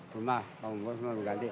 rumah kompor semua harus diganti